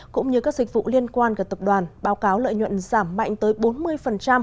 cũng như các dịch vụ liên quan gần tập đoàn báo cáo lợi nhuận giảm mạnh tới bốn mươi